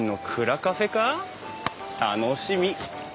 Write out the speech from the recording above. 楽しみ！